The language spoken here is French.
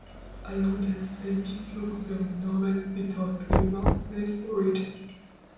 À Lambeth, elle bifurque vers le nord-est étant appelée Wharnclife Rd.